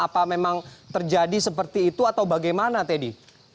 apa memang terjadi seperti itu atau bagaimana teddy